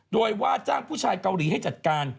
โดยว่าจ้างผู้ชายเกาหลีให้จัดการ